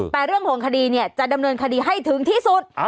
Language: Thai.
แต่เรื่องของคดีเนี่ยจะดำเนินคดีให้ถึงที่สุด